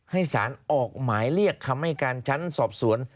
ให้สารออกหมายเรียกคำให้การชั้นสอบสวน